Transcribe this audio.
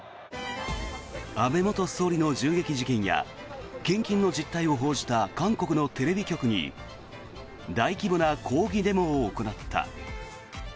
安倍元総理の銃撃事件や献金の実態を報じた韓国のテレビ局に大規模な抗議デモを行った。